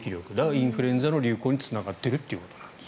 インフルエンザの流行につながっているということです。